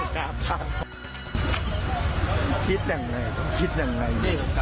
คิดอันไงคิดอันไง